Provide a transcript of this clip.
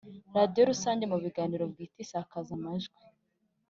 radiyo rusange mu biganiro bwite isakaza amajwi